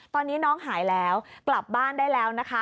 ตอนนี้น้องหายแล้วกลับบ้านได้แล้วนะคะ